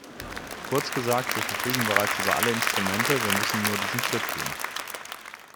Kurz gesagt, wir verfügen bereits über alle Instrumente, wir müssen nur diesen Schritt tun.